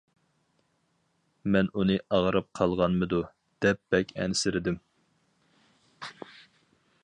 مەن ئۇنى ئاغرىپ قالغانمىدۇ، دەپ بەك ئەنسىرىدىم.